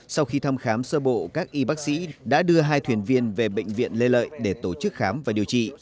sau khi thăm khám sơ bộ các y bác sĩ đã đưa hai thuyền viên về bệnh viện lê lợi để tổ chức khám và điều trị